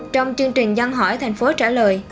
trong chương trình dân hỏi thành phố trả lời